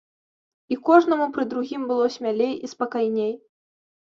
І кожнаму пры другім было смялей і спакайней.